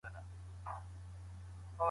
ښوونکي مخکې ستونزې حل کړې وې.